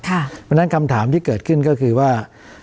เพราะฉะนั้นคำถามที่เกิดขึ้นก็คือว่า